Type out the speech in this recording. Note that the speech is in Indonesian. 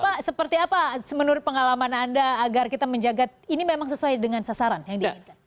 pak seperti apa menurut pengalaman anda agar kita menjaga ini memang sesuai dengan sasaran yang diinginkan